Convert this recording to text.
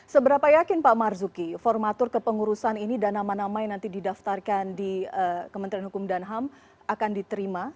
seberapa yakin pak marzuki formatur kepengurusan ini dan nama nama yang nanti didaftarkan di kementerian hukum dan ham akan diterima